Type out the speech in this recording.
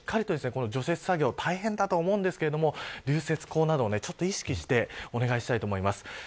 今日、明日もしっかりと除雪作業大変だと思うんですけど流雪溝などを意識してお願いしたいと思います。